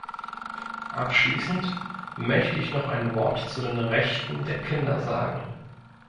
Abschließend möchte ich noch ein Wort zu den Rechten der Kinder sagen.